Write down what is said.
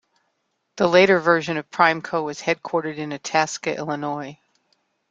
The later version of PrimeCo was headquartered in Itasca, Illinois.